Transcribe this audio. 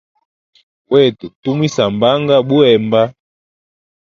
Wetu tumwisambanga buhemba.